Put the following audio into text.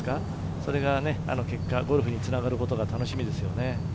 それがゴルフにつながることが楽しみですよね。